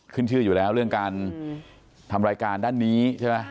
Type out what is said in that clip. ขึ้นชื่ออยู่แล้วเรื่องการทำรายการด้านนี้ใช่ไหม